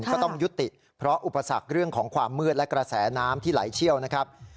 ก็ต้องยุติเพราะอุปสรรคเรื่องของความมืดและกระแสน้ำที่ไหลเชี่ยวนะครับ